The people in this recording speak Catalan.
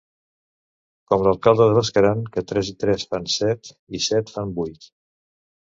Com l'alcalde de Bescaran, que tres i tres fan set i set fan vuit.